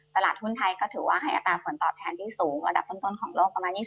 ตลาดหุ้นไทยก็ถือว่าให้อัตราผลตอบแทนที่สูงระดับต้นของโลกประมาณ๒๐